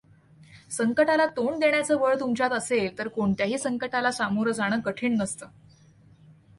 संकटाला तोंड देण्याचं बळ तुमच्यात असेल तर कोणत्याही संकटाला सामोरं जाणं कठीण नसतं.